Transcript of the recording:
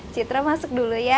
citra masuk dulu ya